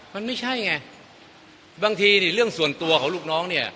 มันไม่ใช่ไงบางทีนี่เรื่องส่วนตัวของลูกน้องเนี่ย